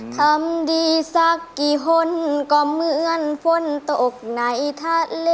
ทำดีสักกี่คนก็เหมือนฝนตกในทะเล